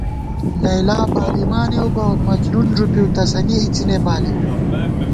لیلی بالِمانېؤ بہ، مجنون ݫُپِؤ، تسَنی اِڅِنے بالِؤ